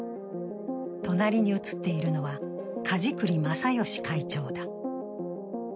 隣に写っているのは梶栗正義会長だ。